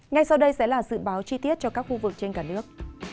ngay sau đây sẽ là dự báo chi tiết cho các khu vực trên cả nước